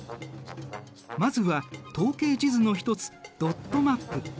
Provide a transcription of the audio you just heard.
まずは統計地図の一つドットマップ。